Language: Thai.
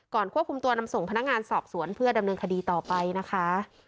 ควบคุมตัวนำส่งพนักงานสอบสวนเพื่อดำเนินคดีต่อไปนะคะ